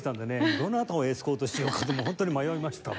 どなたをエスコートしようかとホントに迷いました。